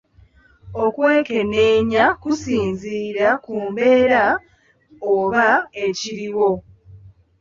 Okwekeneenya kusinziira ku mbeera oba ekiriwo.